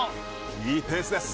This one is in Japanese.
いいペースです。